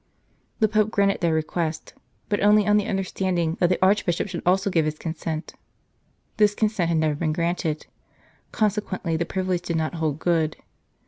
The Pope granted their request, but only on the understanding that the Archbishop should also give his consent. This consent had never been granted ; consequently the privilege did not hold good.